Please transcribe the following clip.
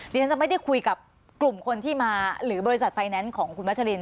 ดิฉันจะไม่ได้คุยกับกลุ่มคนที่มาหรือบริษัทไฟแนนซ์ของคุณวัชลิน